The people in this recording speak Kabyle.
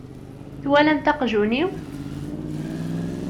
Twalamt aqjun-iw?